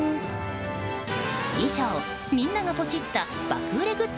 以上、みんながポチった爆売れグッズ